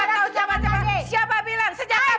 sejak kapan kamu pameran